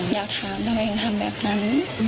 อยากถามทำไมถึงทำแบบนั้น